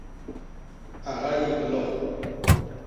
A gayik lo.